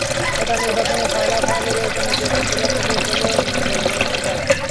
এটা নির্বাচনের ফলাফলের ওপর নেতিবাচক প্রভাব ফেলবে বলেও মনে করছেন তাঁরা।